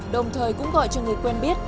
đồng thời cũng gọi cho người quen biết